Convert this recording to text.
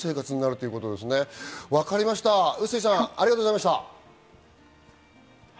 笛吹さん、ありがとうございました。